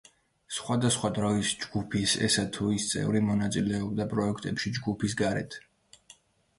სხვადასხვა დროს ჯგუფის ესა თუ ის წევრი მონაწილეობდა პროექტებში ჯგუფის გარეთ.